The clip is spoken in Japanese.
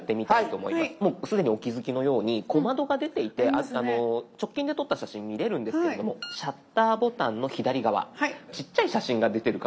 もう既にお気付きのように小窓が出ていて直近で撮った写真見れるんですけれどもシャッターボタンの左側ちっちゃい写真が出てるかと思うんですが。